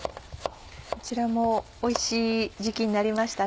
こちらもおいしい時期になりましたね。